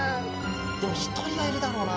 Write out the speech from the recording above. でもひとりはいるだろうな。